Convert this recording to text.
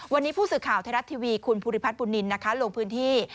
วันนี้ผู้สื่อข่าวไทยรัฐทีวีคุณภูริพัฒนบุญนินนะคะลงพื้นที่